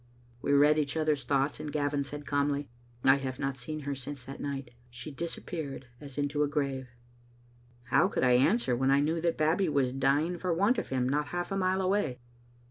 We read each other's thoughts, and Gavin said calmly, " I have not seen her since that night. She disappeared as into a grave." How could I answer when I knew that Babbie was dying for want of him, not half a mile away?